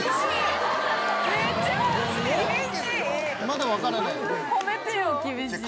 まだ分からない。